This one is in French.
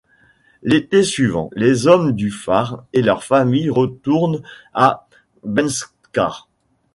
L'été suivant, les hommes du phare et leurs familles retournent à Bengtskär.